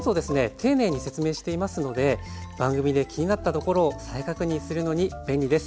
丁寧に説明していますので番組で気になったところを再確認するのに便利です。